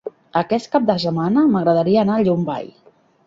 Aquest cap de setmana m'agradaria anar a Llombai.